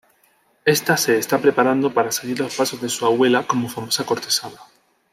Ésta se está preparando para seguir los pasos de su abuela como famosa cortesana.